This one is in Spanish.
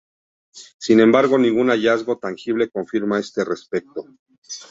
Sin embargo, ningún hallazgo tangible confirma este respecto.